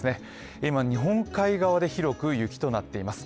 今、日本海側で広く雪となっています。